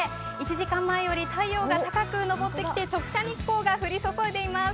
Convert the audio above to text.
１時間前より太陽が高く昇ってきて直射日光が降り注いでいます。